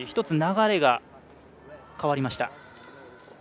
１つ流れが変わりました。